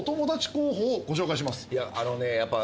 いやあのねやっぱ。